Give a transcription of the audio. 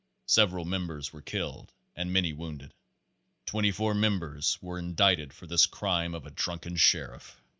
Seven members were killed and many wounded.* Seventy four members were indicted for this crime of a drunken sheriff.